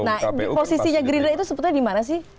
nah posisinya gerindra itu sebetulnya di mana sih